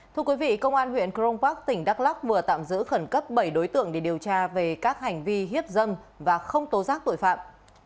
thưa quý vị công an huyện crong park tỉnh đắk lóc vừa tạm giữ khẩn cấp bảy đối tượng để điều tra về các hành vi hiếp dâm và không tố giác tội phạm